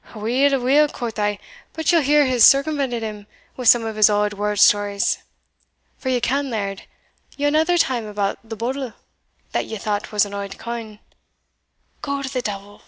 Aweel, aweel,' quo' I, but ye'll hear he's circumvented him with some of his auld warld stories,' for ye ken, laird, yon other time about the bodle that ye thought was an auld coin" "Go to the devil!"